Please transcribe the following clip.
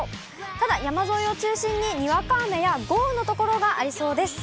ただ、山沿いを中心ににわか雨や豪雨の所がありそうです。